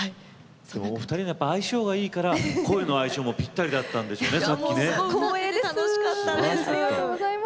お二人の相性がいいから声の相性もぴったりだったんでしょうね。